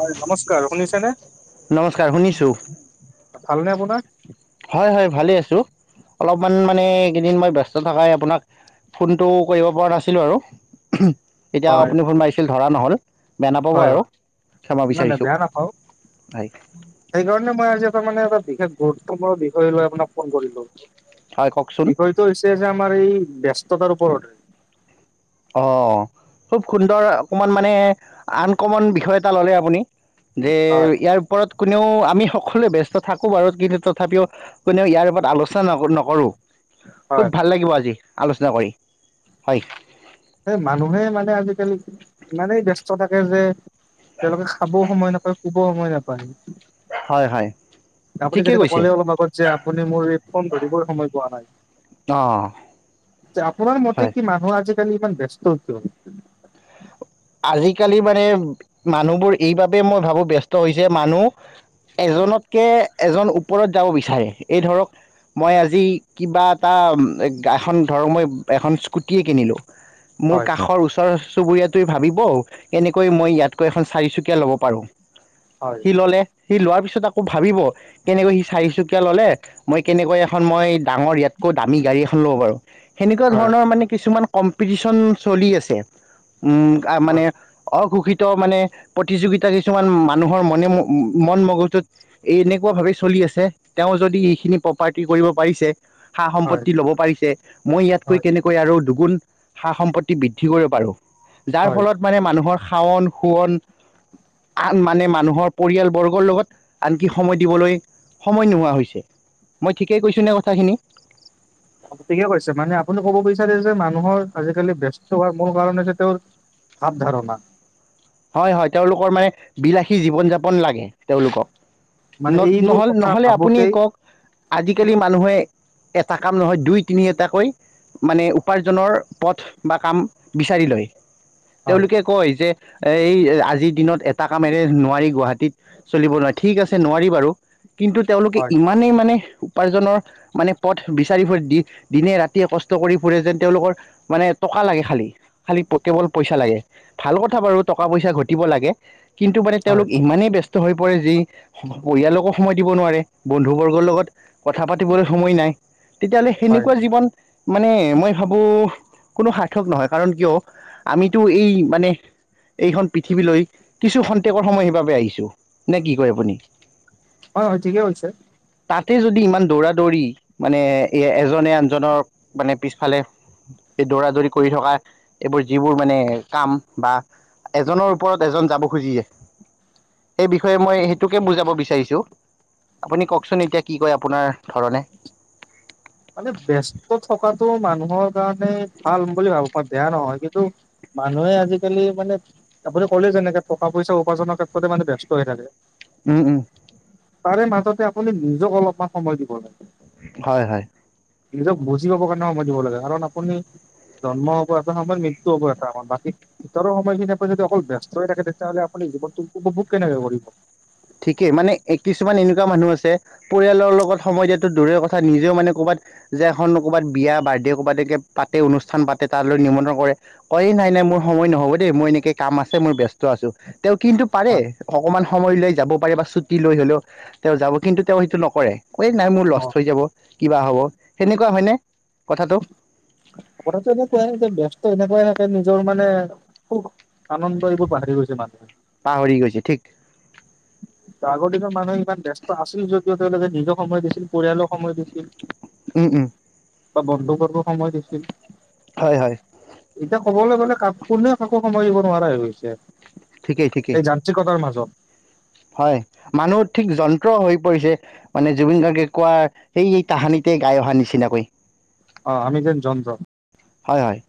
হয় নমস্কাৰ শুনিছেনে? নমস্কাৰ শুনিছোঁ ভালনে আপোনাৰ? হয় হয় ভালে আছো। অলপমান মানে এইকেইদিন মই ব্যস্ত থকাই আপোনাক ফোনটো কৰিব পৰা নাছিলোঁ আৰু। এতিয়া হয় আপুনি ফোন মাৰিছিল ধৰা নহ'ল বেয়া নাপাব হয় আৰু। হয় ক্ষমা নাই নাই বিচাৰিছোঁ। বেয়া নাপাওঁ হয় সেইকাৰণে মই আজি আকৌ মানে [inaudible] বিশেষ গুৰুত্বপূৰ্ণ বিষয় লৈ আপোনাক ফোন কৰিলো। হয় কওকচোন বিষয়টো হৈছে যে আমাৰ এই ব্যস্ততাৰ ওপৰত। অ খুব সুন্দৰ অকমান মানে আনকমন বিষয় এটা ললে আপুনি। যে হয় ইয়াৰ ওপৰত কোনেও আমি সকলোৱে ব্যস্ত থাকোঁ বাৰু কিন্তু তথাপিও কোনেও ইয়াৰ ওপৰত আলোচনা ন নকৰোঁ। হয় খুব ভাল লাগিব আজি, আলোচনা কৰি হয়। স মানুহে মানে আজিকালি ইমানেই ব্যস্ত থাকে যে তেওঁলোকে খাবও সময় নাপায়, শুবও সময় নাপায়। হয় হয়। আপুনি ঠিকেই তেনেকে কৈছে ক'লে অলপ আগত যে, আপুনি মোৰ এই ফোন ধৰিবই সময় পোৱা নাই। অঁ আপোনাৰ মতে হয় কি, মানুহ আজিকালি ইমান ব্যস্ত কিয়? আজিকালি মানে মানুহবোৰ এইবাবেই মই ভাবো ব্যস্ত হৈছে, মানুহ এজনতকে এজন ওপৰত যাব বিচাৰে। এই ধৰক মই আজি কিবা এটা এখন ধৰক মই এখন স্কুটি কিনিলোঁ [unintelligible] মোৰ হয় কাষৰ ওচৰ চুবুৰীয়াত তুৱে ভাবিব কেনেকৈ মই ইয়াতকৈ এখন চাৰিচুকীয়া ল'ব পাৰো। হয় হয় সি ললে সি লোৱাৰ পিছত পিছত আকৌ ভাবিব কেনেকৈ সি চাৰিচুকীয়া ললে, মই কেনেকৈ এখন মই ডাঙৰ ইয়াতকৈ দামী গাড় [unintelligible] গাড়ী এখন লব পাৰোঁ। সেনেকুৱা ধৰণৰ মানে কিছুমান কম্পিটিচন চলি আছে। [unintelligible] উম হয় মানে অঘোষ [unintelligible] মানে প্ৰতিযোগিতা কিছুমান মানুহৰ মণে মন মগজুত এই এনেকুৱা ভাৱেই চলি [unintelligible] চলি আছে। তেওঁ যদি এইখিনি প্ৰপাৰ্টি কৰিব পাৰিছে সা হয় সম্পত্তি লব পাৰিছে, মই ইয়াতকৈ হয় কেনেকৈ আৰু দুগুণ [unintelligible] সা সম্পত্তি বৃদ্ধি কৰিব পাৰো। যাৰ হয় ফলত মানে মানুহৰ [unintelligible] শাওন শুৱন আন মানে মানুহৰ পৰিয়ালবৰ্গৰ লগত আনকি সময় দিবলৈ সময় নোহোৱা হৈছে, মই ঠিকেই কৈছোঁনে কথাখিনি? ঠিকে কৈছে। মানে আপুনি কব বিচাৰে যে মানুহৰ আজিকালি ব্যস্ত হোৱাৰ মূল কাৰণ যে তেওঁৰ [unintelligible] ভাৱ ধাৰণা। [unintelligible] হয় হয় তেওঁলোকৰ মানে বিলাসী জীৱন যাপন লাগে তেওঁলোকক। [unintelligible] মানে ন নহ এইবোৰ কথা নহলে আপুনি ভাবোতেই কওক আজিকালি মানুহে [unintelligible] এটা কাম নহয় দুই তিনি এটাকৈ মানে উপাৰ্জনৰ পথ বা কাম বিচাৰি লয় হয় তেওঁলোকে কয় যে। এ এই আজিৰ দিনত এটা কামেৰে নোৱাৰি গুৱাহাটীত চলিব নোৱি ঠিক আছে নোৱাৰি বাৰু। [unintelligible] কিন্তু তেওঁলোকে হয় ইমানেই মানে। উপাৰ্জনৰ মানে পথ বিচাৰি ফুৰে দি দিনে ৰাতিয়ে কষ্ট কৰি ফুৰে যেন তেওঁলোকৰ মানে [unintelligible] টকা লাগে খালি খালি কেৱল পইচা লাগে ভাল কথা বাৰু। টকা পইছা ঘতিব লাগে কিন্তু মানে হয় তেওঁলোকৰ ইমানেই বেছি। [unintelligible] হৈ পৰে যি পৰিয়ালকো সময় দিব নোৱাৰে বন্ধুবৰ্গৰ লগত। কথা পাতিবলৈ সময় নাই তেতিয়াহ'লে হয় হয় সেনেকুৱা জীৱন। মানে মই ভাবো কোনো সাৰ্থক নহয় কাৰণ কিয় আমিতো এই মানে। [unintelligible] এইখন পৃথিৱীলৈ কিছু সন্তেকৰ সময় সেইবাবে আহিছো নে কি কয় আপুনি। [unintelligible] অ হয় ঠিকেই কৈছে। তাতে যদি ইমান দৌৰা দৌৰি মানে এ এজনে আনজনক মানে পিছফালে। এই দৌৰা দৌৰি কৰি থকা এইবোৰ যিবোৰ মানে কাম বা। এজনৰ ওপৰত এজন যাব খুজিয়ে। সেই বিষয়ে মই সেইটোকে বুজাব বিচাৰিছোঁ। আপুনি কওকচোন এতিয়া কি কয় আপোনাৰ ধৰণে। মানে ব্যস্ত থকাতটো মানুহৰ কাৰণে ভাল বুলি ভাবো প বেয়া নহয় কিন্তু। [unintelligible] মানুহে আজিকালি মানে আপুনি ক'লে যেনেকে টকা পইচা উপাৰ্জনৰ ক্ষেত্ৰতে মানে ব্যস্ত হৈ থাকে। [unintelligible] উম উম। তাৰে মাজতে আপুনি নিজক অলপমান সময় দিব লাগে। হয় হয়। নিজক বুজি গাবৰ কাৰণে সময়ই দিব লাগে কাৰণ আপুনি। জন্ম হ'ব এটা সময় মৃত্যু হ'ব এটা আাৰ বাকী ভিতৰৰ সময়খিনি আ পৰা যদি অকল ব্যস্ত হৈ থাকে তেতিয়াহ'লে আপুনি। [unintelligible] জীৱ তোৰ উপভোগ কেনেকে কৰিব। [unintelligible] ঠিকেই মানে কিছুমান এনেকুৱা মানুহ আছে পৰিয়ালৰ লগত সময় দিয়াতো দূৰে কথা নিজেও মানে ক'বাত। [unintelligible] যে এখন ক'ৰবাত বিয়া বাৰ্থডে কৰ'ৰবাত এ পাতে অনুষ্ঠান পাতে তালৈ নিমন্ত্ৰণ কৰে কয় নাই ন। [unintelligible] মোৰ সময় নহব দেই মই এনেকে কাম আছে মই ব্যস্ত আছো তেওঁ কিন্তু পাৰে অকমান সময় ল। [unintelligible] যাব পাৰে বা ছুটি লৈ হলেও তেওঁ যাব কিন্তু তেওঁ সেইটো নকৰে ক নাই মোৰ লষ্ট নহয় হৈ যাব। [unintelligible] কিবা হ'ব সেনেকুৱা হয়নে কথাটো। টো এনেকুৱাই যে ব্যস্ত এনেকুৱাই থাকে নিজৰ মানে। [unintelligible] আনন্দ এইবোৰ পাহৰি গৈছে মানুহে। পাহৰি গৈছে ঠিক আগৰ দিনৰ মানুহে ইমান ব্যস্ত আছিল যদিও তেওঁলোকে নিজৰ সময় দিছিল। পৰিয়ালক সময় দিছিল উম উম বা বন্ধুবৰ্গক। সময় দিছিল হয় হয় এতিয়া কবলে গ'লে কা কোনো কাকো। সময় দিব নোৱাৰাই হৈ গৈছে ঠিকেই ঠিকেই এই যান্ত্ৰিকতাৰ মাজত। হয় মানুহ ঠিক যন্ত্ৰ হৈ পৰিছে মানে জুবিন গাৰ্গে কোৱাৰ সেই এই তাহানিতে। গাই অহা নিচিনাকৈ। অ আমি যেন যন্ত্ৰ। হয় হয়।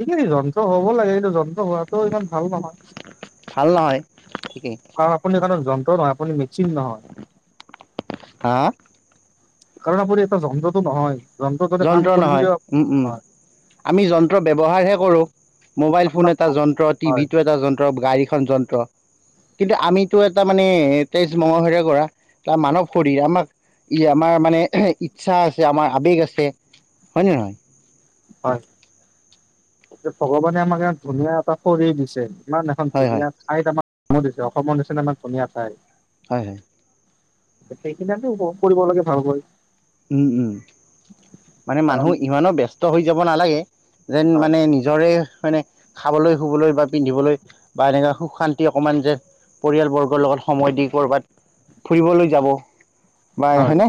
ঠিকে ত যন্ত্ৰ হ'ব লাগে এইটো যন হোৱাটো ইমান ভাল নহয় ঠিকেই কাৰণ আপুনি যন্ত্ৰ নহয় আপুনি। চিঙ নহয়। হা কাৰণ আপুনি এটা যন্- যন্ত্ৰ নহয় উম উম। আমি যন্ত্ৰ ব্যৱহাৰ হে কৰো মোবাইল ফোন আপোনাক এটা যন্ত্ৰ হয় টিভিটো এটা যন্ত্ৰ গাড়ী। খন যন্ত্ৰ। কিন্তু আমিতো এটা মানে তেজ মঙহেৰে গঢ়া এটা মানৱ শৰীৰ আমাক। ই আমাৰ মানে ইচ্ছা আছে আমাৰ আৱেগ আছে হয়নে নহয়। হয় এ ভগৱানে আমাক ই ধুনীয়া এটা শৰিৰ দিছে। ইমান এখন হয় হয় ধুনীয়া ঠাইত আমাৰ অসম দিছে অসমৰ নিচিনা ইমান ধুনীয়া ঠাই। হয় হয়। সেইখিনি আমি কৰিব লাগে ভাল কৰি। উম উম মানে মানুহ কাৰণ ইমানো ব্যস্ত হৈ যাব নালাগে। যেন হয় মানে নিজৰে মানে খাবলৈ শুবলৈ বা পিন্ধিবলৈ বা এনেকা সুখ শান্তি অকণমান যে পৰিয়ালবৰ্গৰ লগত সময় দি ক'ৰবাত ফুৰিবলৈ যাব বা হয় হেনে।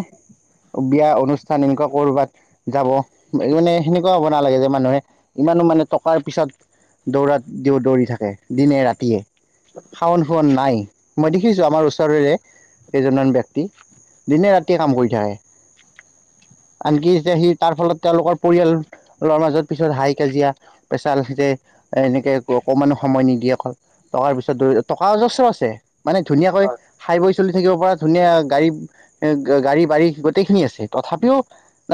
বিয়া অনুষ্ঠান এনেকুৱা কৰবাত যাব মানে সেনেকুৱা হ'ব নালাগে যে মানুহে ইমান মানে টকাৰ পিছত দৌৰাত দেওঁ দৌৰি থাকে দিনে ৰাতিয়ে। খাৱন শুৱন নাই। মই দেখিছো আমাৰ ওচৰেৰে কেইজন মান ব্যক্তি দিনে ৰাতিয়ে কাম কৰি থাকে। [unintelligible] আনকি এতিয়া সি তাৰ ফলত তেওঁলোকৰ পৰিয়ালৰ মাজত পিছত হাই কাজিয়া পেচাল। যে এনেকে অকমানো সময় নিদিয়ে অকল টকাৰ পিছত টকা অজস্ব আছে। মানে ধুনীয়াকৈ হয় খাই বৈ চলি থাকিব পৰা ধুনীয়া গাড়ী এ গাড়ী বাৰ়ী। গোটেইখিনি আছে তথাপিও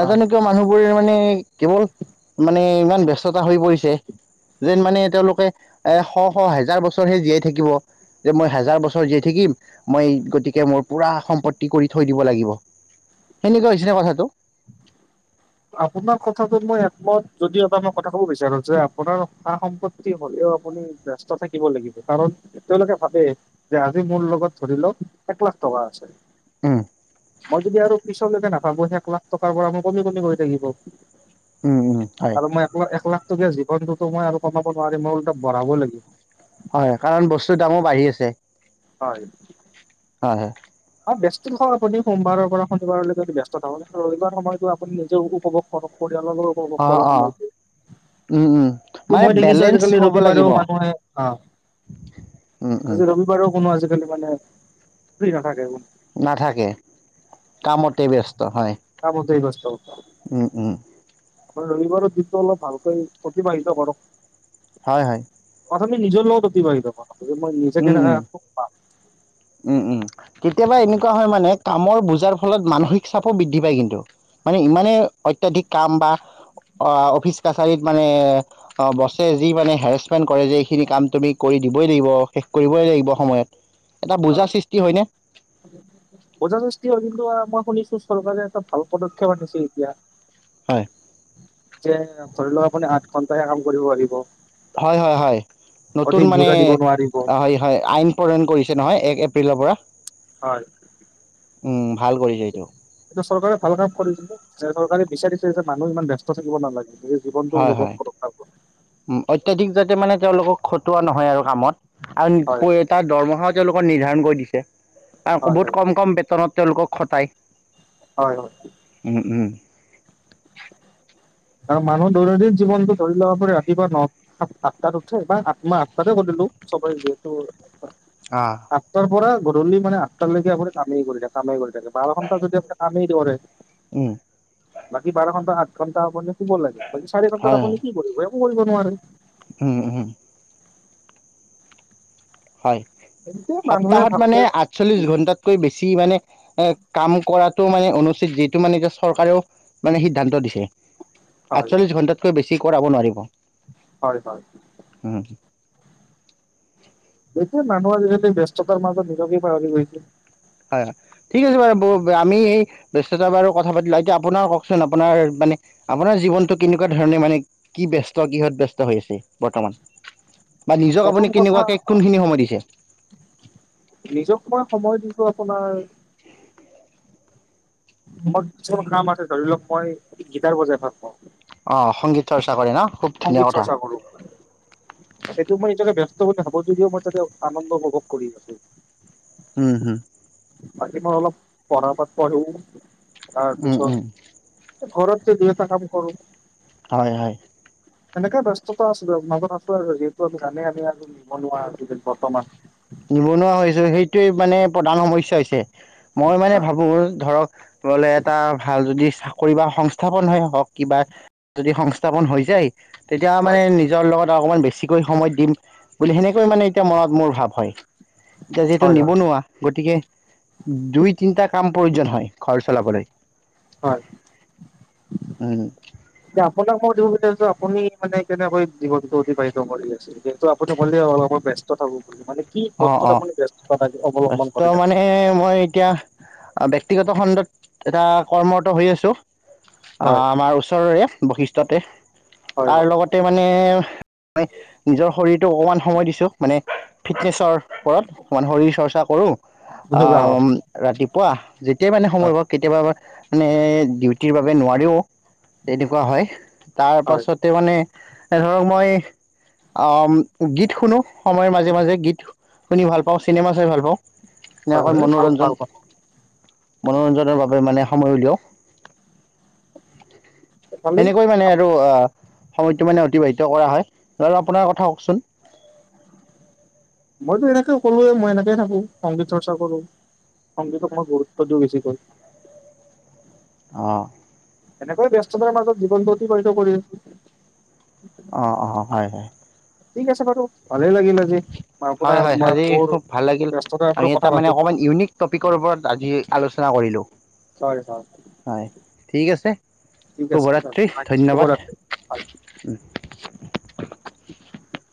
হয় কিয় মানুহবোৰে মানে কেৱল মানে ইমান ব্যস্ততা হৈ পৰিছে। যেন মানে তেওঁলোকে এ শ শ হেজাৰ বছৰহে জীয়াই থাকিব। যে মই হেজাৰ বছৰ জীয়াই থাকিম মই গতিকে মোৰ পুৰা সম্পত্তি কৰি থৈ দিব লাগিব। [unintelligible] সেনেকুৱা হৈছেনে কথাটো। আপোনাৰ কথাটো মই একমত যদি এটা মই কথা কব বিচাৰো যে আপোনাৰ সা সম্পত্তি হ'লেও ত সকলো ব্যস্ত থাকিব লাগিব কাৰণ তেওঁলোকে ভাবে যে আজি মোৰ লগত ধৰি লওক এক লাখ টকা আছে। উম। মই যদি আৰু পিছলৈকে নাভাবো এক লাখ টকাৰ পৰা মই কমি কমি গৈ থাকিব। উম, উম, হয়, আৰু মই এক লা এক লাখ। তে জীৱনটোত মই আৰু কটাব নোৱাৰিম মই ওলটা বঢ়াব লাগিব। হয় কাৰণ বস্তুৰ দামো বাঢ়ি আছে। হয়। হয় হয়। হয় ব্যস্ত থাকক আপুনি সোমবাৰৰ পৰা শনিবাৰলৈকে ব্যস্ত থাকক। কিন্তু ৰবিবাৰ সময়তো আপুনি নিজে উপভোগ কৰক [unintelligible] তেওঁলোকো উপভোগ অ', কৰক অ', সময়টো। উম, উম, [unintelligible] মানে মই দেখিছো বেলেঞ্চ আজিকালি হ'ব লাগিব। ৰবিবাৰেও মানুহ আহে। আ উম, উম, আজি ৰবিবাৰেও কোনো আজিকালি মানে ফ্ৰী নাথাকে কোনো। নাথাকে কামতে ব্যস্ত, হয়। কামতেই ব্যস্ত। উম উম। মানে ৰবিবাৰৰ দিনটো অলপ ভালকৈ অতিবাহিত কৰক। হয় হয়। প্ৰথমে নিজৰ লগত অতিবাহিত কৰক। যে মই নিজে উম কেনেকে উম, সুখ পাম উম উম। কেতিয়াবা এনেকুৱা হয় মানে কামৰ বোজাৰ ফলত মানসিক চাপো বৃদ্ ধি পায় কিন্তু। মানে ইমানেই অত্যাধিক কাম বা অ - অফিচ কাছাৰীত মানে অ' বছে যি মানে হেৰেচমেণ্ট কৰে যে এইখিনি কাম তুমি কৰি দিবই লাগিব। শেষ কৰিবই লাগিব সময়ত। এটা বোজা হয় সৃষ্টি হয়নে? [unintelligible] কিন্তু মই শুনিছো। চৰকাৰে এটা ভাল পদক্ষেপ আনিছে এতিয়া, হয়। যে ধৰি লওক আপুনি আঠ ঘণ্টাহে কাম কৰিব লাগিব। হয় হয় হয়, নতুন মানে, বোজা দিব নোৱাৰিব হয় হয়। আইন প্ৰণয়ন কৰিছে নহয় এক এপ্ৰিলৰ পৰা। হয়। উম। ভাল কৰিছে এইটো এইটো চৰকাৰে ভাল কাম কৰিছিলে যে চৰকাৰে বিচাৰিছে যে মানুহ ইমান ব্যস্ত থাকিব নালাগে। নিজৰ জীৱনটো হয় উপভোগ হয় কৰক ভালকৈ উম অত্যাধিক যা তে মানে তেওঁলোকক খটোৱা নহয় আৰু কামত হয় [unintelligible] তাৰ দৰমহাও তেওঁলোকৰ নিৰ্ধাৰণ কৰি দিছে। আৰু ‌ক‌ হয় বহুত হয় কম কম বেতনত তেওঁলোকক খটায়। হয় হয়। উম উম। আৰু মানুহ দৈনন্দিন জীৱনটো ধৰি ল' আপুনি ৰাতিপুৱা ন - সাত - আঠটাত উঠ‌ বা আঠমাহ আঠটাতে কৰিলোঁ চবেঋযিহেতু, আঠটাৰ পৰা গধুলী মানে আঠটালৈকে আপুনি কামেই কৰি থাক, কামেই কৰি থাকে, বাৰ ঘণ্টা যদি আপুনি কামেই কৰে বাকী বাৰ ঘন্টা আঠ ঘন্টা আপুনি শুব লাগে। বাকী চাৰি ঘণ্টাৰ হয় হয় আপুনি কি কৰিব? এক কৰিব নোৱাৰে। উম উম। হয়। এতিয়া মানুহে সপ্তাহত মানে ভালকে আঠচল্লিছ ঘণ্টাতকৈ বেছি মানে এ কাম কৰাতটো মানে অনুচিত যিটো মানে এতিয়া চৰকাৰেও মানে সিদ্ধান্ত দিছে। হয় আঠচল্লিছ ঘণ্টাতকৈ বেছি কৰাব নোৱাৰিব। হয় হয়। উম এতিয়া মানুহৰ [unintelligible] ব্যস্ততাৰ মাজত নিজকে পাহৰি গৈছে। হয় হয়, ঠিক আছে বাৰু ব আমি ব্যস্ততা বাৰু কথা পাতিলো এতিয়া আপোনাৰ কওকচোন আপোনাৰ মানে আপোনাৰ জীৱনটো কেনেকুৱা ধৰণে মানে কি ব্যস্ত কিহত ব্যস্ত হৈ আছে বৰ্তমান? [inaudible] বা নিজক আপুনি প্ৰথম কথা কেনেকুৱাকে কোনখিনি সময় দিছে নিজক মই সময় দি তো আপোনাৰ মোৰ কিছুমান কাম আছে ধৰি লওক মই গিটাৰ বজাই ভাল পাওঁ। অ সংগীত চৰ্চা কৰে ন? খুব ধুনীয়া সংগীত কথা চৰ্চা কৰো। সেইটোক মই নিজকে ব্যস্ত বুলি ভালো। [unintelligible] মই তাতে আনন্দ উপভোগ কৰি আছোঁ। উম হুম। বাকী মই অলপ পঢ়া পাত পঢ়ো। উম, উম। ঘৰত যে দুই এটা কাম কৰো। হয়, হয়। সেনেকে ব্যস্ততা আছিলোঁ, মাজত আছো আৰু যিহেতু আমি জানেই আমি আৰু নিবনুৱা আজি বৰ্তমান এইটোৱেই মানে প্ৰধান সমস্যা হৈছে। মই মানে হয় ভাবোঁ ধৰক ললে এটা ভাল যদি চাকৰি বা সংস্থাপন হয় হওক কিবা যদি সংস্থাপন হৈ যায় তেতিয়া হয় মানে নিজৰ লগত অকমান বেছিকৈ সময় দিম বুলি সেনেকৈ মানে এতিয়া মনত মোৰ ভাৱ হয়। এতিয়া যিহেতু হয় নিবনুৱা গতিকে দুই, তিনটা কাম প্ৰয়োজন হয় ঘৰ চলাবলৈ। হয়। উম। এয়া আপোনাক মই দিব বিচাৰছো, আপুনি মানে কেনেকৈ জীৱনতো অতিবাহিত কৰি আছে? যিহেতু আপুনি ক'লে মই ব ব্যস্ত থাকো বুলি মানে কি অ, বস্তুত অ। আপুনি ব্যস্ততা থাকে অৱলম্বন ব্যস্ত কৰি থাকে মানে মই এতিয়া ব্যস্ত ব্যক্তিগত খণ্ডত এটা কৰ্মৰত হৈ আছোঁ হয় আমাৰ ওচৰৰে। বৈশিষ্ঠতে। হয় তাৰ হয় লগতে মানে মই নিজৰ শৰীৰ টো অকমান সময় দিছোঁ। মানে ফিটনেছৰ ওপৰত অকমান শৰীৰ চৰ্চা কৰোঁ যোগাসন আহ ৰাতিপুৱা যেতিয়াই মানে সময় হয় হ কেতিয়াবা মানে ডিউটিৰ বাবে নোৱাৰিও। তেনেকুৱা হয় তাৰ হয় পাছতে মানে এ ধৰক মই অ গীত শুনো সময়ৰ মাজে মাজে গীত শুনি ভাল পাওঁ, চিনেমা চাই ভাল পাওঁ। হয় এনেকৈ হয় ভাল মনোৰঞ্জন, ভাল কথা মনোৰঞ্জনৰ বাবে মানে সময় উলিয়াও। ভালেই এনেকৈ মানে আৰু সময়টো মানে অতিবাহিত কৰা হয়। আৰু আপোনাৰ কথা কওকচোন। মইতো এনেকে কৰোৱে। মই এনেকেয়ে থাকো, সংগীত চৰ্চা কৰো। সংগীতক মই গুৰুত্ব দিও বেছি কৰি। অহ। এনেকৈ ব্যস্ততাৰ মাজত জীৱনটো অতিবাহিত কৰি আ অ অ হয় হয়। ঠিক আছে বাৰু। ভালেই লাগিল আজি হয়, আপোনাৰ হয়। আজি মোৰ খুব ভাল লাগিল। ব্যস্ততাৰ ওপৰত আমি কথা এটা মানে পাতিলো অকমান ইউনিক টপিকৰ পৰত আজি আলোচনা কৰিলো। হয় হয় হয়, ঠিক আছে ঠিক আছে শুভৰাত্ৰি ধন্যবাদ। শুভৰাত্ৰি [inaudible]